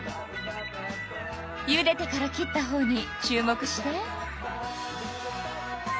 ゆでてから切ったほうに注目して。